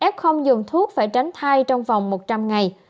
f không dùng thuốc phải tránh thai trong vòng một trăm linh ngày